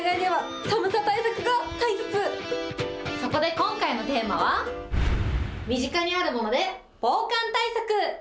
今回のテーマは、身近にあるもので防寒対策。